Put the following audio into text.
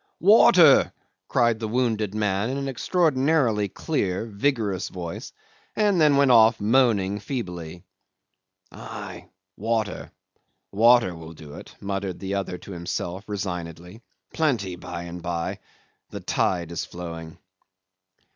"Water!" cried the wounded man in an extraordinarily clear vigorous voice, and then went off moaning feebly. "Ay, water. Water will do it," muttered the other to himself, resignedly. "Plenty by and by. The tide is flowing."